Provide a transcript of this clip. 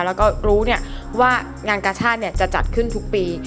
แล้วก็รู้ว่างานกาชาติจะจัดขึ้นทุกปี